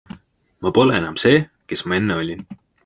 Ma pole enam see, kes ma enne olin.